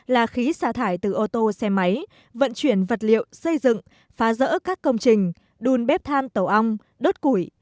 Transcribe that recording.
là khí xả thải từ ô tô xe máy vận chuyển vật liệu xây dựng phá rỡ các công trình đun bếp than tổ ong đốt củi